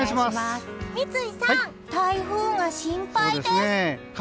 三井さん、台風が心配です。